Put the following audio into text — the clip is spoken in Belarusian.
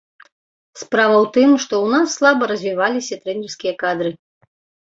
Справа ў тым, што ў нас слаба развіваліся трэнерскія кадры.